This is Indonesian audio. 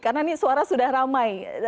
karena ini suara sudah ramai